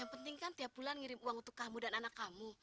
yang penting kan tiap bulan ngirim uang untuk kamu dan anak kamu